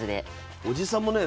おじさんもね